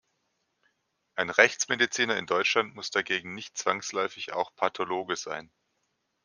Ein Rechtsmediziner in Deutschland muss dagegen nicht zwangsläufig auch "Pathologe" sein.